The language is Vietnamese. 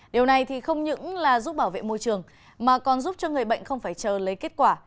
điều này thì không những là giúp bảo vệ môi trường mà còn giúp cho người bệnh không phải chờ lấy kết quả